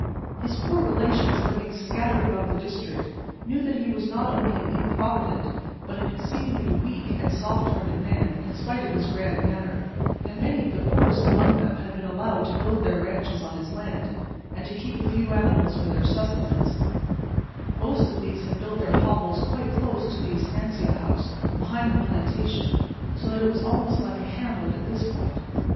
His poor relations living scattered about the district knew that he was not only an improvident but an exceedingly weak and soft hearted man, in spite of his grand manner, and many of the poorest among them had been allowed to build their ranches on his land and to keep a few animals for their sustenance: most of these had built their hovels quite close to the estancia house, behind the plantation, so that it was almost like a hamlet at this point.